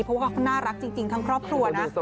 เพราะว่าเขาน่ารักจริงทั้งครอบครัวนะ